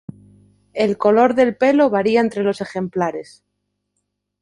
El color del pelo varía entre los ejemplares.